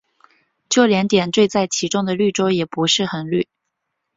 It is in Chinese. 就连点缀在其中的绿洲也不很绿。